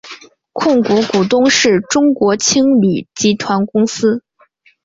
控股股东是中国青旅集团公司。